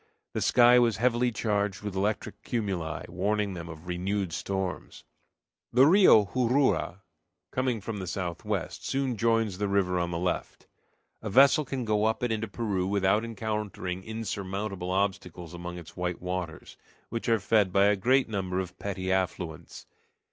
The sky was heavily charged with electric cumuli, warning them of renewed storms. The Rio Jurua, coming from the southwest, soon joins the river on the left. A vessel can go up it into Peru without encountering insurmountable obstacles among its white waters, which are fed by a great number of petty affluents.